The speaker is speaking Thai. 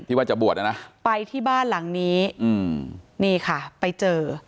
ว่าจะบวชนะนะไปที่บ้านหลังนี้อืมนี่ค่ะไปเจอ